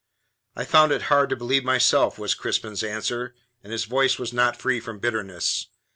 "I found it hard to believe myself," was Crispin's answer, and his voice was not free from bitterness.